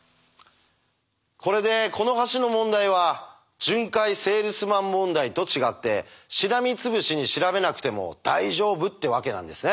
これでこの橋の問題は巡回セールスマン問題と違ってしらみつぶしに調べなくても大丈夫ってわけなんですね。